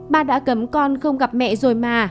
ba đã cấm con không gặp mẹ rồi mà